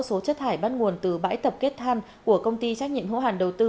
số chất thải bắt nguồn từ bãi tập kết than của công ty trách nhiệm hữu hạn đầu tư